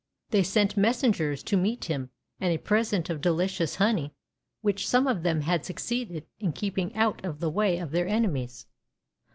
They sent messengers to meet him and a present of delicious honey which some of them had succeeded in keeping out of the w^y of their enemies.